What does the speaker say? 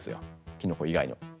キノコ以外にも。